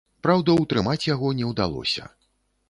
Праўда, утрымаць яго не ўдалося.